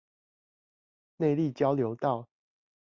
內壢交流道